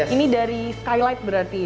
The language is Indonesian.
ini dari skylight berarti